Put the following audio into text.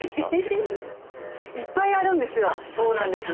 いっぱいあるんですよ。